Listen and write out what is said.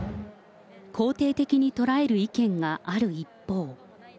肯定的に捉える意見がある一方。